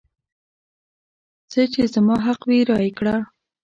څه چې زما حق وي رایې کړه.